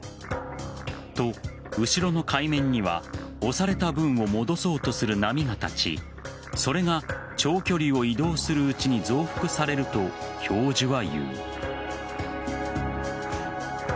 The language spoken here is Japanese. と、後ろの海面には押された分を戻そうとする波が立ちそれが長距離を移動するうちに増幅されると教授は言う。